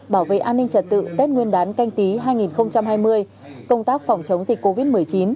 bảo vệ an ninh trật tự tết nguyên đán canh tí hai nghìn hai mươi công tác phòng chống dịch covid một mươi chín